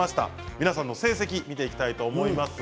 皆さんの成績を見ていきたいと思います。